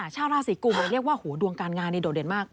ชาวราศีกุมเขาเรียกว่าโหดวงการงานเนี่ยโดดเด่นมาก